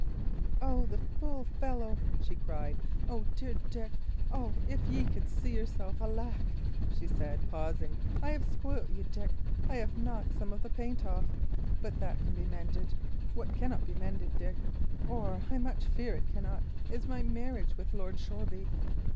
"Oh, the fool fellow!" she cried. "Oh, dear Dick! Oh, if ye could see yourself! Alack!" she added, pausing. "I have spoilt you, Dick! I have knocked some of the paint off. But that can be mended. What cannot be mended, Dick or I much fear it cannot! is my marriage with Lord Shoreby."